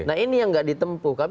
nah ini yang nggak ditempuh